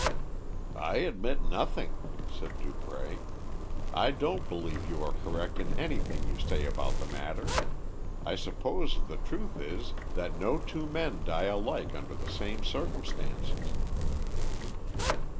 "I admit nothing," said Dupré. "I don't believe you are correct in anything you say about the matter. I suppose the truth is that no two men die alike under the same circumstances."